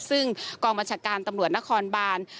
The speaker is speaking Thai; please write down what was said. ซึ่งกองบัญชาการตำรวจนครบาน